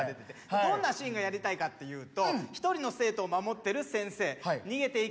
どんなシーンがやりたいかっていうと１人の生徒を守ってる先生逃げていくが行き止まり